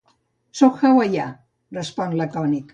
Sóc hawaià —respon, lacònic.